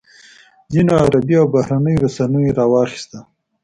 ځینو عربي او بهرنیو رسنیو راواخیسته.